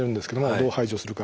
どう排除するか。